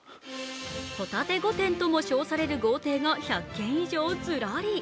ホタテ御殿とも称される豪邸が１００軒以上ずらり！